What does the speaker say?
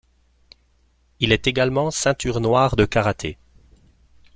Il est également ceinture noire de karaté.